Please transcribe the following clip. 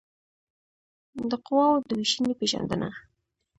د قواوو د وېشنې پېژندنه